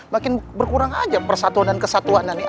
makin berkurang aja persatuan dan kesatuanan nih